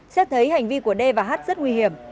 xét thấy hành vi của d và h rất nguy hiểm